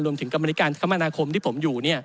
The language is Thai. กรรมนิการคมนาคมที่ผมอยู่